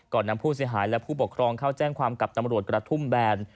นำผู้เสียหายและผู้ปกครองเข้าแจ้งความกับตำรวจกระทุ่มแบน